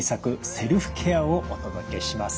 セルフケアをお届けします。